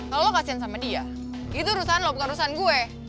kalau lo kasihan sama dia itu rusan lo bukan rusan gue